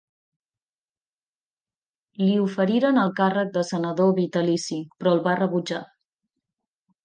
Li oferiren el càrrec de senador vitalici, però el va rebutjar.